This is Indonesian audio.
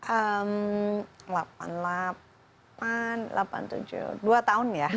ehm delapan delapan delapan tujuh dua tahun ya